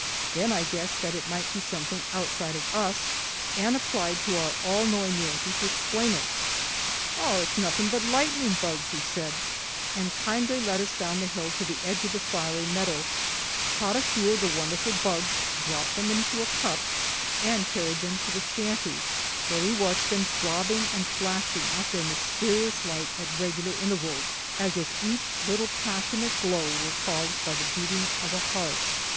Then I guessed that it might be something outside of us, and applied to our all knowing Yankee to explain it. "Oh, it's nothing but lightnin' bugs," he said, and kindly led us down the hill to the edge of the fiery meadow, caught a few of the wonderful bugs, dropped them into a cup, and carried them to the shanty, where we watched them throbbing and flashing out their mysterious light at regular intervals, as if each little passionate glow were caused by the beating of a heart.